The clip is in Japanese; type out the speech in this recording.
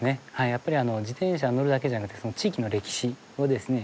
やっぱり自転車に乗るだけじゃなくてその地域の歴史をですね